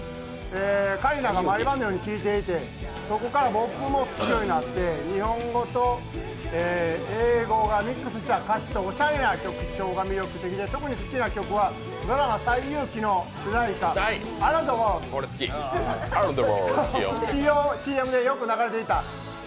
桂里奈が毎晩のように聴いていて、そこから僕も聴くようになって日本語と英語がミックスした歌詞と歌詞と、おしゃれな曲調が魅力的で特に好きな曲はドラマ「西遊記」の主題歌、「ＡｒｏｕｎｄＴｈｅＷｏｒｌｄ」。